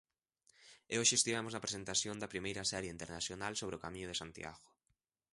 E hoxe estivemos na presentación da primeira serie internacional sobre o Camiño de Santiago.